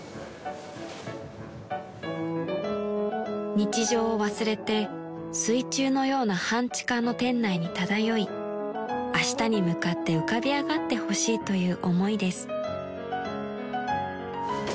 ［日常を忘れて水中のような半地下の店内に漂いあしたに向かって浮かび上がってほしいという思いです］